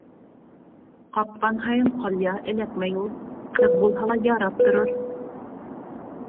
Ҡапҡан һайын ҡалъя эләкмәй ул. Ҡыҙ булһа ла ярап торор.